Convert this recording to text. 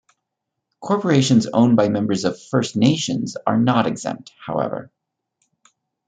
Corporations owned by members of First Nations are not exempt, however.